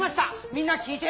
みんな聞いて。